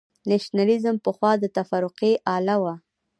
نېشنلېزم پخوا د تفرقې الې وه.